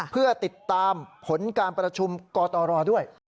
เพื่อติดตามผลการประชุมกตรด้วย